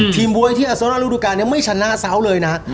ทีมบ๊วยที่อสโน้นลูกลูกานนี้ไม่ชนะซาวเลยนะ